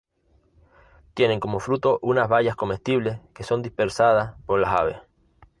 Tienen como fruto unas bayas comestibles que son dispersadas por las aves.